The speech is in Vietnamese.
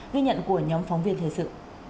ghi nhận của nhóm phóng viên thời sự